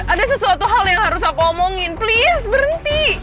ada sesuatu hal yang harus aku omongin please berhenti